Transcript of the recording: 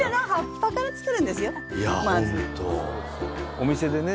お店でね